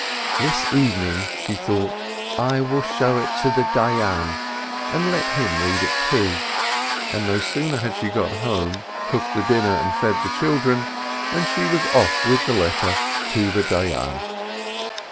"This evening," she thought, "I will show it to the Dayan, and let him read it too." And no sooner had she got home, cooked the dinner, and fed the children, than she was off with the letter to the Dayan.